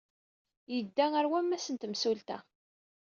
Yedda ɣer wammas n temsulta.